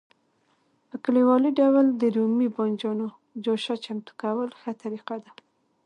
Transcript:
په کلیوالي ډول د رومي بانجانو جوشه چمتو کول ښه طریقه ده.